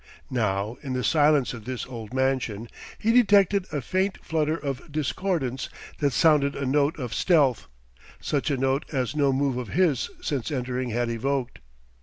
Now, in the silence of this old mansion, he detected a faint flutter of discordance that sounded a note of stealth; such a note as no move of his since entering had evoked.